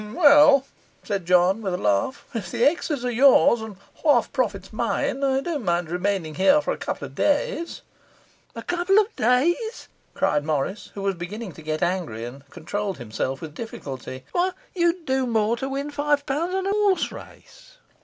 'Well,' said John, with a laugh, 'if the ex s are yours, and half profits mine, I don't mind remaining here for a couple of days.' 'A couple of days!' cried Morris, who was beginning to get angry and controlled himself with difficulty; 'why, you would do more to win five pounds on a horse race!